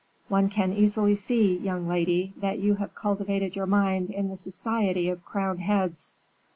One can easily see, young lady, that you have cultivated your mind in the society of crowned heads."